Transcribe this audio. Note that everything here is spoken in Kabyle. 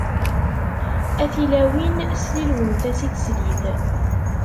A tilawin, slilwemt-as i teslit!